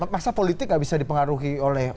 masa politik gak bisa dipengaruhi oleh